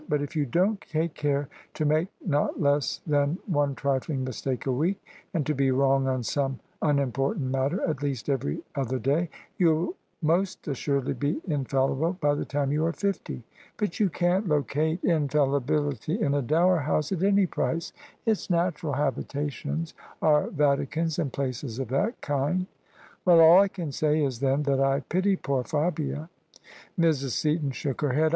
But if you don't take care to make not less than one trifling mistake a week, and to be wrong on some unim portant matter at least every other day, you'll most assuredly be infallible by the time you are fifty. But jon can't locate Infallibility in a Dower House at any price. Its natural habitations are Vadcans and places of that kind." " Well, all I can say is, then, that I pity poor Fabia." Mrs. Seaton shook her head.